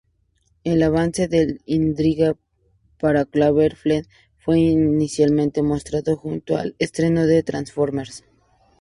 El avance de intriga para "Cloverfield" fue inicialmente mostrado junto al estreno de "Transformers".